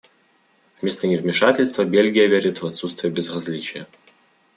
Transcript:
Вместо невмешательства Бельгия верит в отсутствие безразличия.